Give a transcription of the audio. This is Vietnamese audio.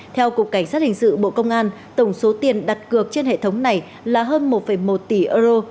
theo cục cảnh sát hình sự bộ công an tổng số tiền đặt cược trên hệ thống này là hơn một một tỷ euro